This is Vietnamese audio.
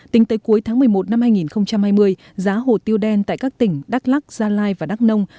tính tới cuối tháng một mươi một năm hai nghìn hai mươi giá hồ tiêu đen tại các tỉnh đắk lắc gia lai và đắk nông